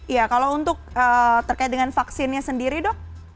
iya kalau untuk terkait dengan vaksinnya sendiri dok